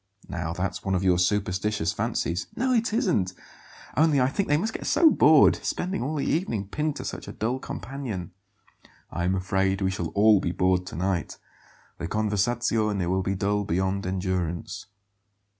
"Now that's one of your superstitious fancies." "No, it isn't; only I think they must get so bored, spending all the evening pinned to such a dull companion." "I am afraid we shall all be bored to night. The conversazione will be dull beyond endurance."